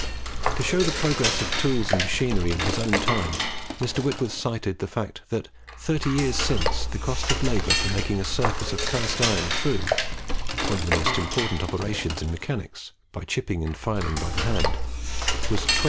To show the progress of tools and machinery in his own time, Mr. Whitworth cited the fact that thirty years since the cost of labour for making a surface of cast iron true one of the most important operations in mechanics by chipping and filing by the hand, was 12s.